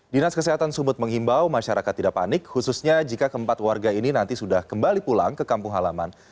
dinas kesehatan sumut menghimbau masyarakat tidak panik khususnya jika keempat warga ini nanti sudah kembali pulang ke kampung halaman